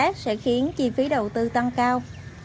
nâng tác sẽ khiến chi phí đầu tư tăng cao